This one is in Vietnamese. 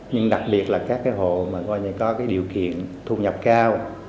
nhưng đặc biệt là các hộ mà có điều kiện thu nhập cao